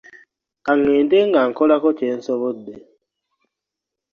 Ka ŋŋende nga nkolako kye nsobodde.